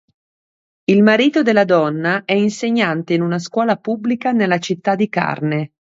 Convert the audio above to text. Il marito della donna è insegnante in una scuola pubblica nella città di Carne.